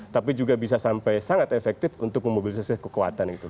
tapi juga bisa sampai sangat efektif untuk memobilisasi kekuatan itu